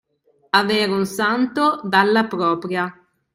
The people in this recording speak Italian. Avere un santo dalla propria.